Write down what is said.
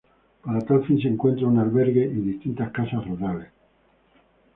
Para tal fin se encuentra un albergue y distintas casas rurales.